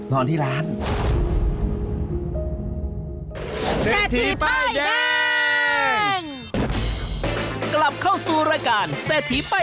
นอนที่ไหนเหรอเฮียะ